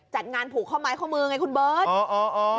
จัดงานผูกข้อมายข้อมือไงคุณบืท